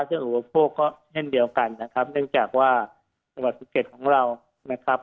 ซึ่งอุปโภคก็แน่นเดียวกันนะครับเนื่องจากว่าสุขเกตของเรานะครับ